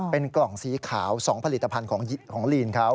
เป็นกล่องสีขาว๒ผลิตภัณฑ์ของลีนเขา